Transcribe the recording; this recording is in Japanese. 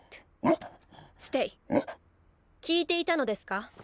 聞いていたのですか？